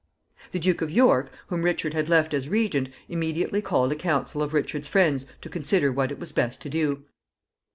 The Duke of York, whom Richard had left as regent, immediately called a council of Richard's friends to consider what it was best to do.